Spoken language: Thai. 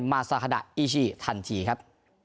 มาซาฮาดะอีชิทันทีครับ